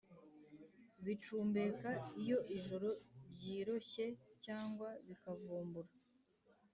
bicumbeka iyo ijoro ryiroshye cyangwa bikavumbura